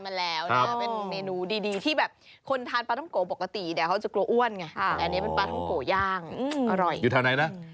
ไม่เล่าทำไม่ดีชันไม่อยากจำ